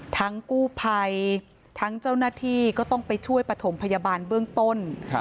ทั้งกู้ภัยทั้งเจ้าหน้าที่ก็ต้องไปช่วยปฐมพยาบาลเบื้องต้น